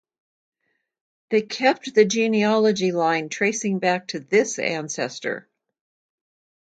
They kept the genealogy line tracing back to this ancestor.